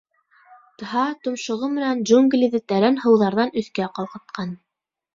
Тһа томшоғо менән джунглиҙы тәрән һыуҙарҙан өҫкә ҡалҡытҡан.